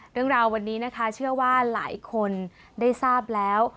เรื่องราววันนี้นะคะเชื่อว่าหลายคนได้ทราบแล้ว